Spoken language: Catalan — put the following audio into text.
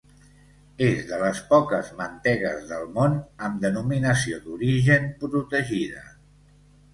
És de les poques mantegues del món amb denominació d'origen protegida.